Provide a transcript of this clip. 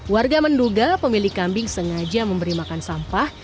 warga menduga pemilik kambing sengaja memberi makan sampah